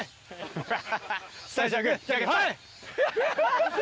ハハハハ！